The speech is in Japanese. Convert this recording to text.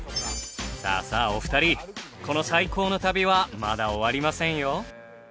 さあさあお二人この最高の旅はまだ終わりませんよ！